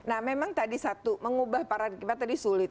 nah memang tadi satu mengubah paradigma tadi sulit